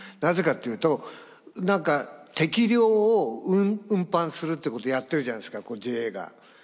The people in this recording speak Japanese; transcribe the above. なぜかっていうと何か適量を運搬するってことやってるじゃないですかＪＡが。